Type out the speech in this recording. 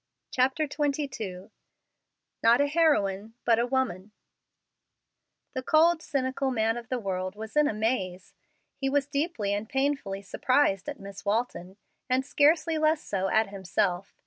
CHAPTER XXII NOT A HEROINE, BUT A WOMAN The cold, cynical man of the world was in a maze. He was deeply and painfully surprised at Miss Walton, and scarcely less so at himself.